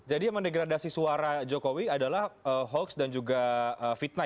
jadi yang mendegradasi suara jokowi adalah hoax dan juga fitnah